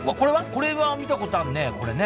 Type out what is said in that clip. これは見たことあるねこれね。